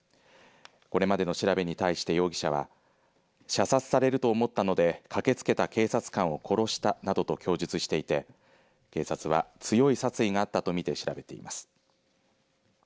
これまでの調べに対して容疑者は射殺されると思ったので駆けつけた警察官を殺したなどと供述していて警察は強い殺意があったと見て調べています。